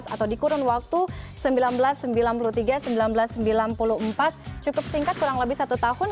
atau di kurun waktu seribu sembilan ratus sembilan puluh tiga seribu sembilan ratus sembilan puluh empat cukup singkat kurang lebih satu tahun